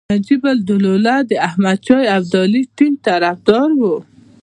نجیب الدوله د احمدشاه ابدالي ټینګ طرفدار دی.